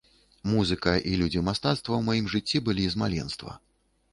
Музыка і людзі мастацтва ў маім жыцці былі з маленства.